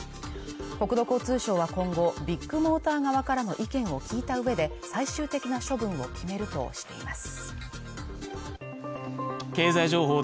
国土交通省は今後ビッグモーター側からの意見を聞いたうえで最終的な処分を決めるとしています